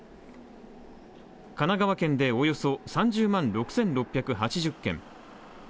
神奈川県でおよそ３０万６６８０軒